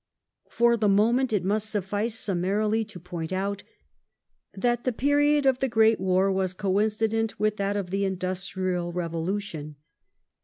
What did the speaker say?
For the moment it must suffice summarily to point out that the period of the great war was co incident with that of the Industrial Revolution.